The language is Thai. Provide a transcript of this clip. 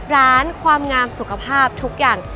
ความงามสุขภาพทุกอย่าง